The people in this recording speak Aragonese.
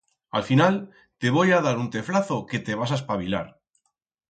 A'l final te voi a dar un teflazo que te vas a espabilar.